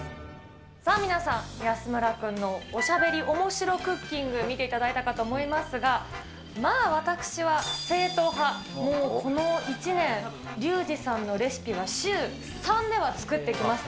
さあ皆さん、安村君のおしゃべりおもしろクッキング、見ていただいたかと思いますが、まあ私は正統派、もうこの１年、リュウジさんのレシピは週３では作ってきました。